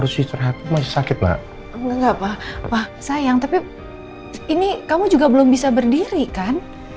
sayang tapi ini kamu juga belum bisa berdiri kan